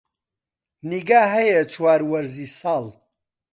نیگا هەیە چوار وەرزی ساڵ